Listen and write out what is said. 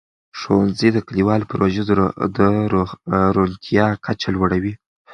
ښوونځي د کلیوالو پروژو د روڼتیا کچه لوړوي.